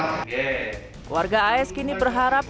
keluarga as kini berharap